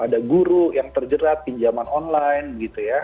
ada guru yang terjerat pinjaman online gitu ya